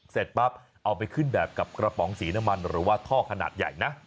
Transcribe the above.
เสร็จปั๊บเอาไปขึ้นแบบกับกระป๋องสีน้ำมันหรือว่าท่อขนาดใหญ่นะ